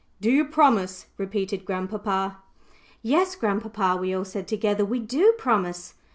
"Do you promise?" repeated grandpapa. "Yes, grandpapa," we all said together, "we do promise."